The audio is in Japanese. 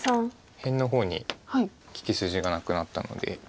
辺の方に利き筋がなくなったので。